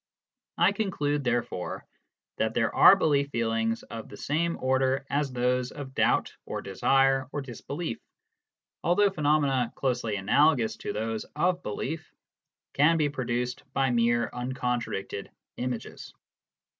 I conclude, therefore, that there are belief feelings of the same order as those of doubt or desire or disbelief, although phenomena closely analogous to those of belief can be produced by mere uncon tradicted images.